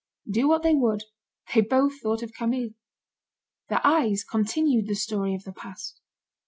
Do what they would, they both thought of Camille. Their eyes continued the story of the past.